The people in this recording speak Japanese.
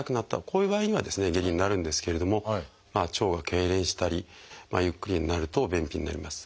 こういう場合には下痢になるんですけれども腸がけいれんしたりゆっくりになると便秘になります。